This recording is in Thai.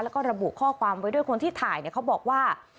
แล้วก็ระบุข้อความไว้ด้วยคนที่ถ่ายเขาบอกว่า